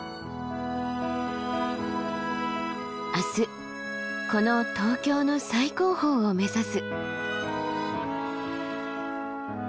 明日この東京の最高峰を目指す。